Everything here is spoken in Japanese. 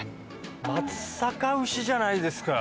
松阪牛じゃないですか。